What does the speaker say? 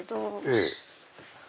ええ。